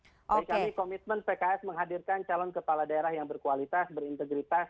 jadi kami komitmen pks menghadirkan calon kepala daerah yang berkualitas berintegritas